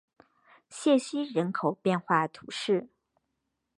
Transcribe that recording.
谢西人口变化图示